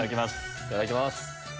いただきます。